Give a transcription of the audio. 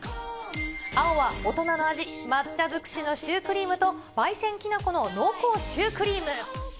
青は大人の味、抹茶づくしのシュークリームと焙煎きな粉の濃厚シュークリーム。